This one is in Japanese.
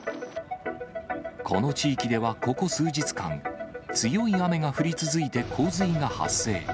この地域ではここ数日間、強い雨が降り続いて洪水が発生。